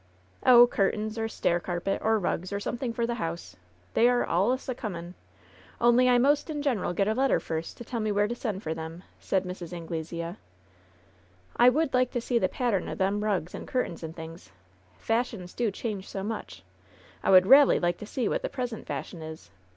"Oh, curtains, or stair carpet, or rugs, or something for the house ! They are alius a coming ! Only I 'most in general get a letter first to tell me where to send for them," said Mrs. Anglesea. "I would like to see the pattern o' them rugs and cur tains and things ! Fashions do change so much, I would ralely like to see what the present fashion is!